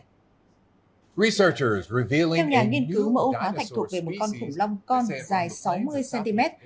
theo nhà nghiên cứu mẫu hóa thạch thuộc về một con khủng long con dài sáu mươi cm